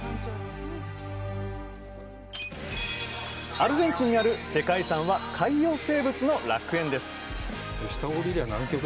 アルゼンチンにある世界遺産は海洋生物の楽園です